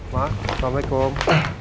ma ma assalamualaikum